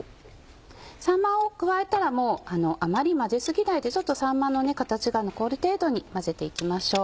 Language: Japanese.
さんまを加えたらもうあまり混ぜ過ぎないでちょっとさんまの形が残る程度に混ぜて行きましょう。